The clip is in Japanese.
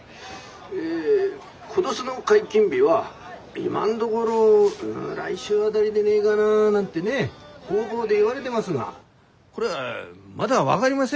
え今年の解禁日は今んどごろ来週辺りでねえがななんてね方々で言われでますがこれはまだ分がりません。